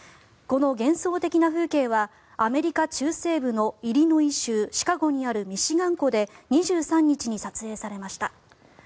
この幻想的な風景はアメリカ中西部のイリノイ州シカゴにあるミシガン湖で２３日に撮影されました。